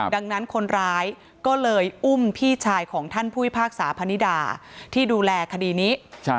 ดังนั้นคนร้ายก็เลยอุ้มพี่ชายของท่านผู้พิพากษาพนิดาที่ดูแลคดีนี้